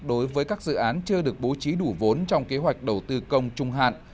đối với các dự án chưa được bố trí đủ vốn trong kế hoạch đầu tư công trung hạn